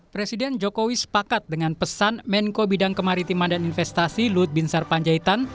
presiden jokowi sepakat dengan pesan menko bidang kemaritiman dan investasi luhut bin sarpanjaitan